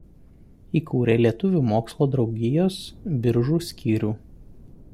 Įkūrė Lietuvių mokslo draugijos Biržų skyrių.